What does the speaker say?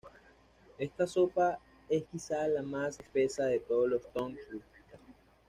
Esta sopa es quizá la más espesa de todos los "tong sui".